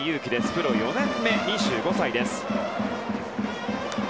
プロ４年目、２５歳です。